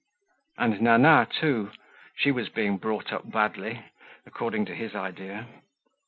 And Nana, too; she was being brought up badly, according to his idea.